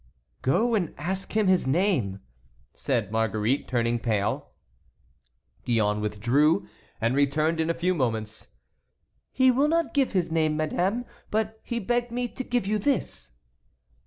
"Go and ask him his name," said Marguerite, turning pale. Gillonne withdrew, and returned in a few moments. "He will not give his name, madame, but he begged me to give you this."